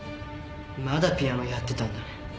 まだピアノやってたんだね。